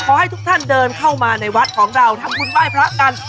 ให้ทุกท่านเดินเข้ามาในวัดของเราทำบุญไหว้พระกัน